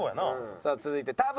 さあ続いて田渕。